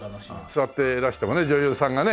座っていらしてもね女優さんがね